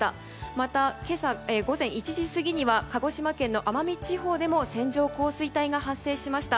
また、午前１時過ぎに鹿児島県の奄美地方でも線状降水帯が発生しました。